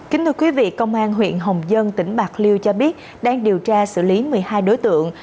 kính thưa quý vị công an huyện hồng dân tỉnh bạc liêu cho biết đang điều tra xử lý một mươi hai đối tượng